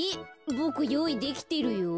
ボクよういできてるよ。